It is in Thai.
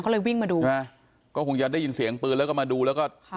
ก็เลยวิ่งมาดูใช่ไหมก็คงจะได้ยินเสียงปืนแล้วก็มาดูแล้วก็ค่ะ